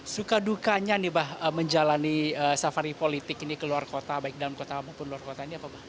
sukadukanya menjalani safari politik ke luar kota baik dalam kota maupun luar kota